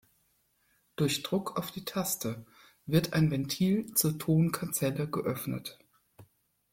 Durch Druck auf die Taste wird ein Ventil zur Ton-Kanzelle geöffnet.